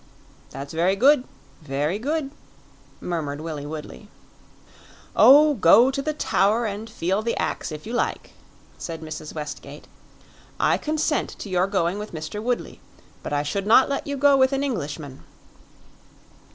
"That's very good very good," murmured Willie Woodley. "Oh, go to the Tower, and feel the ax, if you like," said Mrs. Westgate. "I consent to your going with Mr. Woodley; but I should not let you go with an Englishman."